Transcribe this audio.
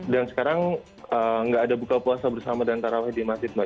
dan sekarang nggak ada buka puasa bersama dan tarawih di masjid mak